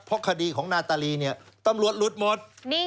เพราะคดีของนาตาลีเนี่ยตำรวจหลุดหมด